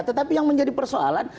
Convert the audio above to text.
tetapi yang menjadi persoalan